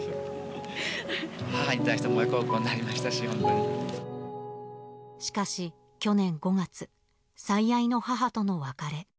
母に対しても親孝行になりましかし、去年５月、最愛の母との別れ。